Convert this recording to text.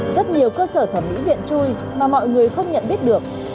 rất nhiều cơ sở thẩm mỹ viện chui mà mọi người không nhận biết được